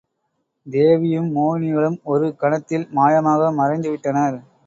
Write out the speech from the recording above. தேவி யும் மோகினிகளும் ஒரு கனத்தில் மாயமாக மறைந்து விட்டனர்.